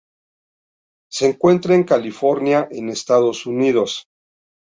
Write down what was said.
Se encuentra en California en Estados Unidos.